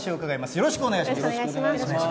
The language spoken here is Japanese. よろしくお願いします。